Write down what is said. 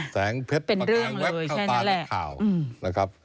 แสงเผ็ดมากลางแวะก้าวต่าน้าค่าวนะครับ